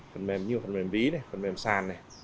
phần mềm như phần mềm ví phần mềm sàn